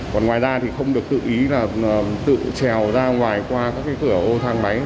còn ngoài ra thì không được tự ý là tự trèo ra ngoài qua các cái cửa ô thang máy